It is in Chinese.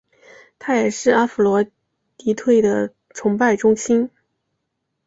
它也是阿佛罗狄忒的崇拜中心。